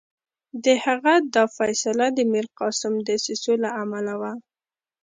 د هغه دا فیصله د میرقاسم دسیسو له امله وه.